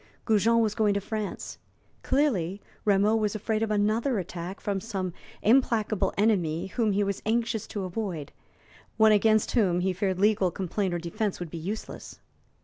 Goujon was going to France. Clearly, Rameau was afraid of another attack from some implacable enemy whom he was anxious to avoid one against whom he feared legal complaint or defense would be useless.